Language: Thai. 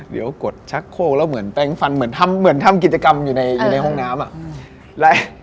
เดี๋ยวกดชักโค้งแล้วเหมือนแป้งฟันเหมือนทำกิจกรรมอยู่ในห้องน้ำอะ